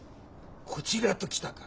「こちら」と来たか。